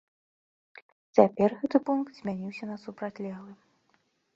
Цяпер гэты пункт змяніўся на супрацьлеглы.